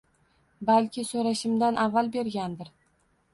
Balki, so‘rashimdan avval bergandir.